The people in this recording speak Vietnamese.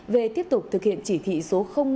về tiếp tục thực hiện chỉ thị số năm